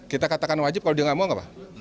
kita katakan wajib kalau dia nggak mau nggak pak